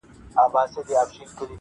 پر ملخ یې سترګي نه سوای پټولای -